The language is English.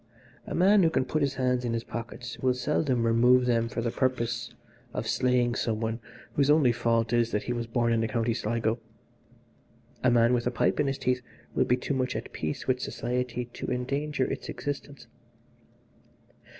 A man who can put his hands in his pockets will seldom remove them for the purpose of slaying some one whose only fault is that he was born in the County Sligo. A man with a pipe in his teeth will be too much at peace with society to endanger its existence.